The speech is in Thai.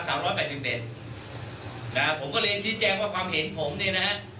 ผมก็เลยเป็นชี้แจงว่าความเห็นผมเนี่ยนะครับ